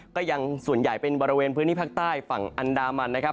ก็ยังส่วนใหญ่เป็นบริเวณพื้นที่ภาคใต้ฝั่งอันดามันนะครับ